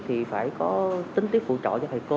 thì phải có tính tiếp phụ trợ cho thầy cô